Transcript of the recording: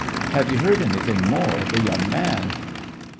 'Have you heard anything more of the young man?'